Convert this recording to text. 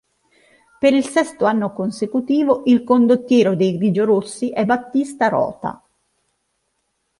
Per il sesto anno consecutivo il condottiero dei grigiorossi è Battista Rota.